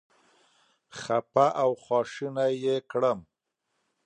خپه او خواشینی یې کړم.